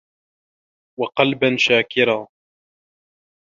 وَقَلْبًا شَاكِرًا